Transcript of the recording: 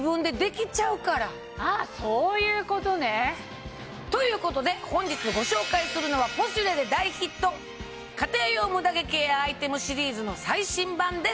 あそういうことね。ということで本日ご紹介するのは『ポシュレ』で大ヒット家庭用ムダ毛ケアアイテムシリーズの最新版です。